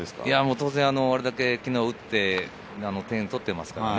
当然、昨日あれだけ打って点を取ってますからね。